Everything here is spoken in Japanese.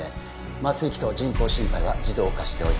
麻酔器と人工心肺は自動化しておいた